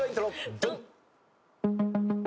ドン！